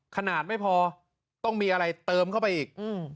ขนาดไม่พอต้องมีอะไรเติมเข้าไปอีก